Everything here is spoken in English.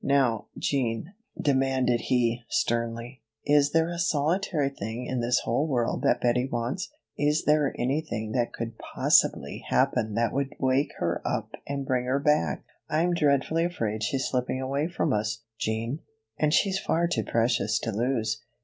"Now, Jean," demanded he, sternly, "is there a solitary thing in this whole world that Bettie wants? Is there anything that could possibly happen that would wake her up and bring her back? I'm dreadfully afraid she's slipping away from us, Jean; and she's far too precious to lose.